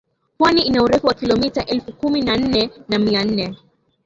Pwani ina urefu wa kilomita elfu kumi na nne na mia nne